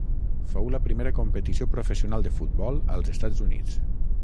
Fou la primera competició professional de futbol als Estats Units.